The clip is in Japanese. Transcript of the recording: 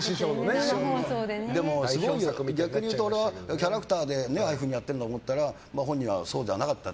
でも、すごい逆に言うと俺はキャラクターでああいうふうにやってると思ったら本人はそうじゃなかった。